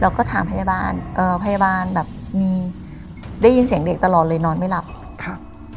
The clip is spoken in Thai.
เราก็ถามพยาบาลเอ่อพยาบาลแบบมีได้ยินเสียงเด็กตลอดเลยนอนไม่หลับครับ